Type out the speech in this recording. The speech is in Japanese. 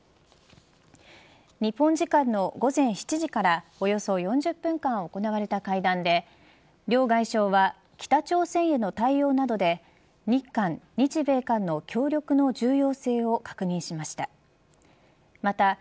日本時間の午前７時からおよそ４０分間行われた会談で両外相は北朝鮮への対応などで日韓日米韓の協力の重要性を確認しました。